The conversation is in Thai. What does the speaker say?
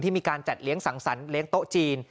มีการจัดเลี้ยงสังสรรคเลี้ยงโต๊ะจีน